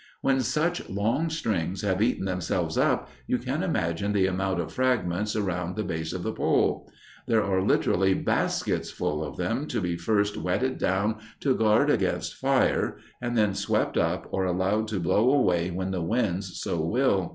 When such long strings have eaten themselves up, you can imagine the amount of fragments around the base of the pole. There are literally basketfuls of them to be first wetted down to guard against fire and then swept up or allowed to blow away when the winds so will.